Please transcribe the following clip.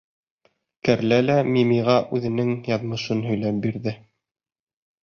Кәрлә лә Мимиға үҙенең яҙмышын һөйләп бирҙе.